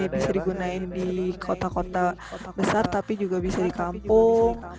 bisa digunakan di kota kota besar tapi juga bisa di kampung